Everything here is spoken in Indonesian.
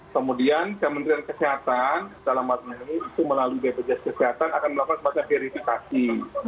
kemudian kementerian kesehatan dalam hal ini itu melalui bpjs kesehatan akan melakukan semacam verifikasi